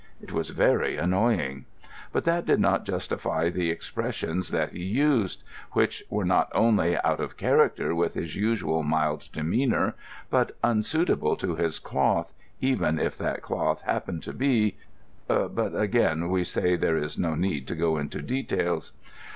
It was very annoying. But that did not justify the expressions that he used; which were not only out of character with his usual mild demeanour but unsuitable to his cloth, even if that cloth happened to be—but again we say there is no need to go into details.